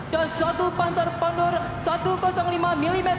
dan satu panzer pondor satu ratus lima mm